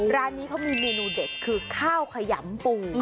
ร้านนี้เขามีเมนูเด็ดคือข้าวขยำปู